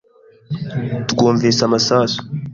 Twumvise amasasu.